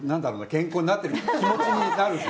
健康になってる気持ちになると。